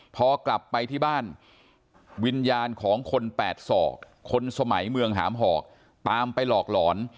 พอกลับไปที่บ้านวิญญาณของคนแปดศอกคนสมัยเมืองหามหอกตามไปหลอกหลอน